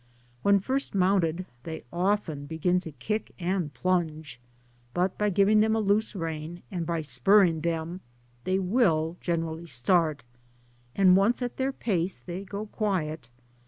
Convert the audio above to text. When first mounted, they often begin to kick and plunge, but by giving them a loose rein, and by spurring them, they will generally start, and when once at their pace, they go quiet.